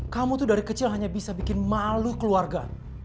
kamu tuh dari kecil hanya bisa bikin malu keluarga